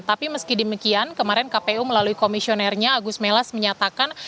tapi meski demikian kemarin kpu melalui komisionernya agus melas menyatakan